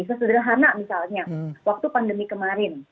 sesederhana misalnya waktu pandemi kemarin